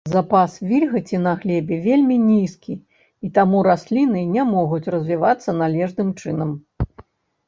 Запас вільгаці на глебе вельмі нізкі, і таму расліны не могуць развівацца належным чынам.